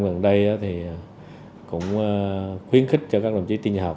dần đây cũng khuyến khích cho các đồng chí tinh học